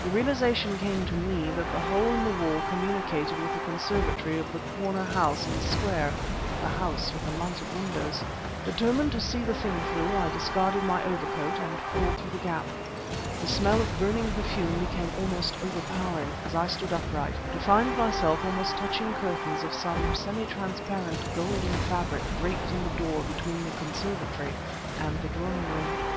The realization came to me that the hole in the wall communicated with the conservatory of the corner house in the square, the house with the lighted windows. Determined to see the thing through, I discarded my overcoat and crawled through the gap. The smell of burning perfume became almost overpowering, as I stood upright, to find myself almost touching curtains of some semi transparent golden fabric draped in the door between the conservatory and the drawing room.